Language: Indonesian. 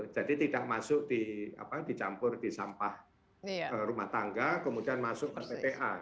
jadi tidak masuk dicampur di sampah rumah tangga kemudian masuk ke pta